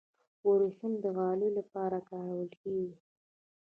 وریښم د غالیو لپاره کارول کیږي.